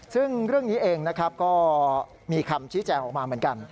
ซึ่งเรื่องนี้เองนะครับก็มีคำชี้แจงออกมาเหมือนกัน